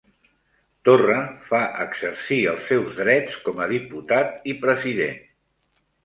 Torra fa exercir els seus drets com a diputat i president